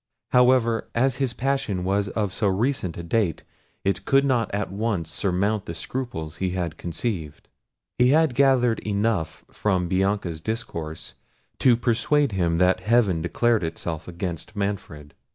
However, as his passion was of so recent a date, it could not at once surmount the scruples he had conceived. He had gathered enough from Bianca's discourse to persuade him that heaven declared itself against Manfred.